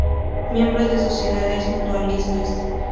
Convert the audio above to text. Miembro de sociedades mutualistas.